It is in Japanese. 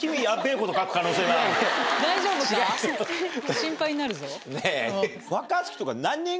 大丈夫か？